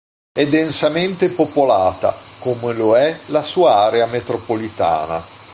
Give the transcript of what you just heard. È densamente popolata, come lo è la sua area metropolitana.